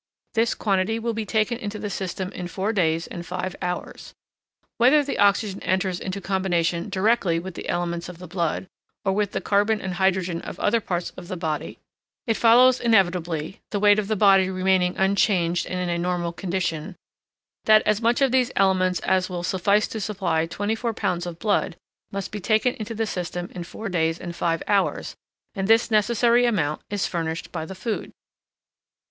This quantity will be taken into the system in four days and five hours. Whether the oxygen enters into combination directly with the elements of the blood, or with the carbon and hydrogen of other parts of the body, it follows inevitably the weight of the body remaining unchanged and in a normal condition that as much of these elements as will suffice to supply 24 pounds of blood, must be taken into the system in four days and five hours; and this necessary amount is furnished by the food.